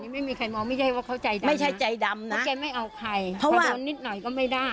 ไม่มีใครมองไม่ใช่ว่าเขาใจดำไม่ใช่ใจดำนะแกไม่เอาใครเพราะว่าโดนนิดหน่อยก็ไม่ได้